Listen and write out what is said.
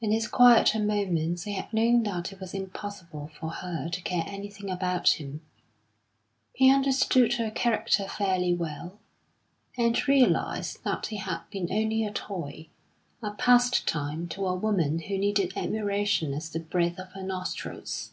In his quieter moments he had known that it was impossible for her to care anything about him; he understood her character fairly well, and realised that he had been only a toy, a pastime to a woman who needed admiration as the breath of her nostrils.